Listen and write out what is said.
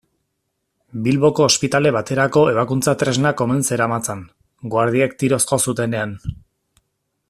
Bilboko ospitale baterako ebakuntza-tresnak omen zeramatzan, guardiek tiroz jo zutenean.